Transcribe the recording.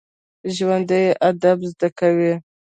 ژوندي ادب زده کوي